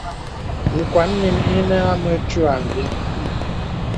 Ìkwàn nīn inə ā mə̀twə̂ vìn.